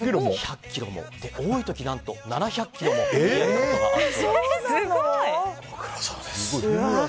多い時、何と７００ｋｇも練り上げることがあるそうです。